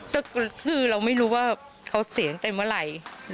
ก็คือเราไม่รู้ว่าเขาเสียตั้งแต่เมื่อไหร่